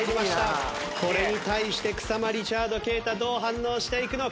これに対して草間リチャード敬太どう反応していくのか？